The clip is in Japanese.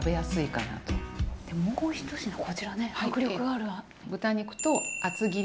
でもう１品こちらね迫力がある。